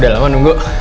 udah lama nunggu